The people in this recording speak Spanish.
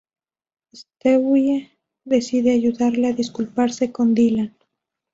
Stewie decide ayudarle a disculparse con Dylan.